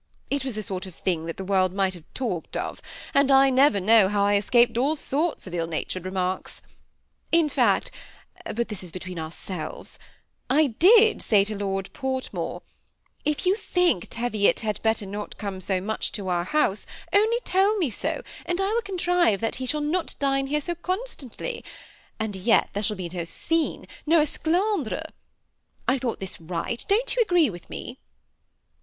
It was the sort of thing that the world might have talked of; and I never know how I escaped all sorts of ill natured remarks. In fact, (but this is between ourselves,) I did say to Lord Portmore, ^ If you think Teviot had better not come so much to our house, only tell me so, and I will contrive that he shall not dine here so constantly — and yet'there shall be no scene, no esckmdre/ I thought this right ; don't you agree with me?"